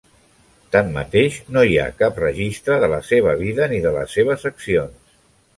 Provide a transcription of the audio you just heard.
Tanmateix, no hi ha cap registre de la seva vida ni de les seves accions.